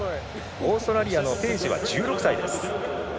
オーストラリアのページは１６歳です。